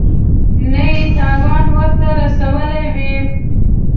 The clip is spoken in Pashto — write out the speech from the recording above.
نه یې تاوان ورته رسولی وي.